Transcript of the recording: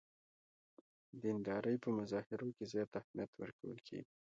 دیندارۍ په مظاهرو کې زیات اهمیت ورکول کېږي.